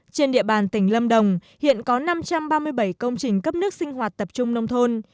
trên địa bàn tỉnh lâm đồng hiện có năm trăm ba mươi bảy công trình cấp nước sinh hoạt tập trung nông thôn